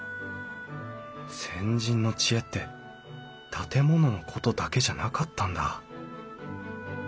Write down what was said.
先人の知恵って建物のことだけじゃなかったんだ